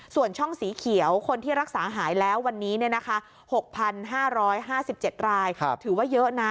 ส่วนช่องสีเขียวคนที่รักษาหายแล้ววันนี้๖๕๕๗รายถือว่าเยอะนะ